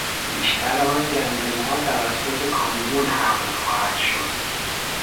بیشتر آن گندمها توسط کامیون حمل خواهد شد.